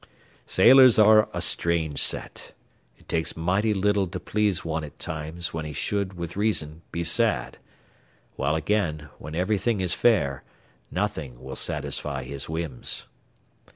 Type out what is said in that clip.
Sailors are a strange set. It takes mighty little to please one at times when he should, with reason, be sad; while, again, when everything is fair, nothing will satisfy his whims.